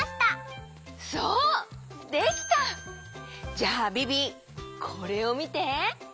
じゃあビビこれをみて！